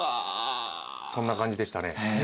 そんな感じでしたね。